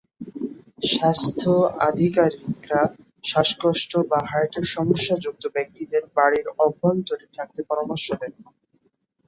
স্বাস্থ্য আধিকারিকরা শ্বাসকষ্ট বা হার্টের সমস্যাযুক্ত ব্যক্তিদের বাড়ির অভ্যন্তরে থাকতে পরামর্শ দেন।